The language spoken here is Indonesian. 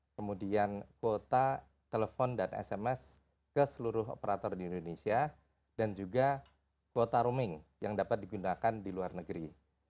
kemudian kuota telepon dan sms ke seluruh operator di indonesia dan juga kuota rooming yang dapat digunakan di luar negeri